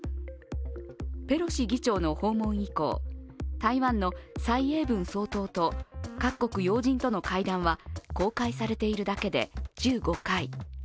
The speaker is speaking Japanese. ペロシ議長の訪問以降、台湾の蔡英文総統と各国要人との会談は、公開されているだけで１５回。